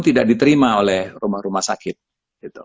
tidak diterima oleh rumah sakit